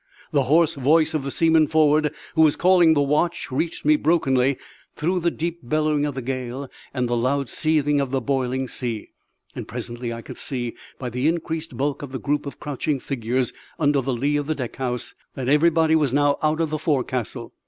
The hoarse voice of the seaman forward who was calling the watch reached me brokenly through the deep bellowing of the gale and the loud seething of the boiling sea; and presently I could see, by the increased bulk of the group of crouching figures under the lee of the deck house, that everybody was now out of the forecastle.